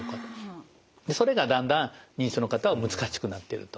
それがだんだん認知症の方は難しくなってると。